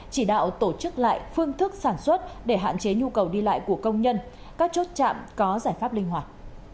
chỉ đạo tổ chức lại phương thức sản xuất để hạn chế nhu cầu đi lại của công nhân các chốt chạm có giải pháp linh hoạt